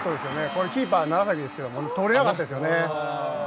これキーパー、楢崎ですけどとれなかったです。